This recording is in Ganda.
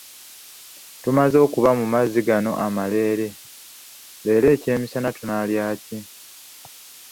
Tumaze okuba mu mazzi gano ameereere, leero eky'emisana tunaalya ki?